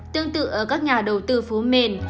tương tự ở các nhà đầu tư phố mền